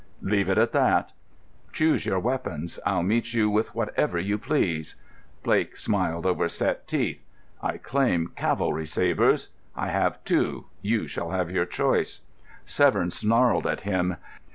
"Leave it at that!" "Choose your weapons. I'll meet you with whatever you please." Blake smiled over set teeth. "I claim cavalry sabres. I have two. You shall have your choice." Severn snarled at him.